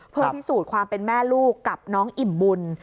เพื่อพิสูจน์ความเป็นแม่ลูกกับน้องอิ่มบุญ